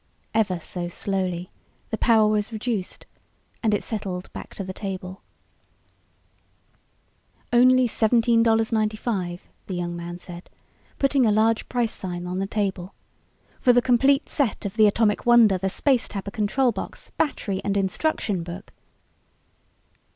Ever so slowly the power was reduced and it settled back to the table. "Only $17.95," the young man said, putting a large price sign on the table. "For the complete set of the Atomic Wonder, the Space Tapper control box, battery and instruction book